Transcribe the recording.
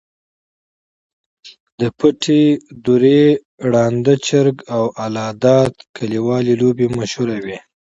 د پټې دُرې، ړانده چرک، او الله داد کلیوالې لوبې مشهورې وې.